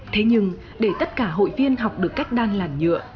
thế nhưng để tất cả hội viên học được cách đan làn nhựa